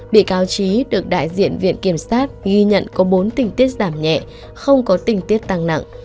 bị cáo trí được đại diện viện kiểm sát ghi nhận có bốn tình tiết giảm nhẹ không có tình tiết tăng nặng